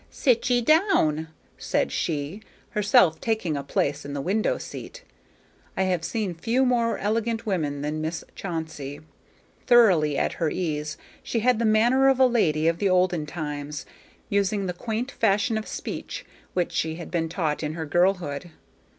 "Sit ye down," said she, herself taking a place in the window seat. I have seen few more elegant women than Miss Chauncey. Thoroughly at her ease, she had the manner of a lady of the olden times, using the quaint fashion of speech which she had been taught in her girlhood.